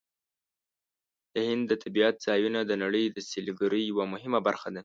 د هند د طبیعت ځایونه د نړۍ د سیلګرۍ یوه مهمه برخه ده.